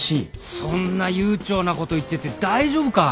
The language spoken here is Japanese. そんな悠長なこと言ってて大丈夫か？